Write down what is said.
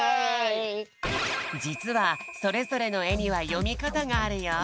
じつはそれぞれの絵にはよみかたがあるよ。